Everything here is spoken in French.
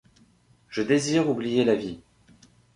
Je désire oublier la vie.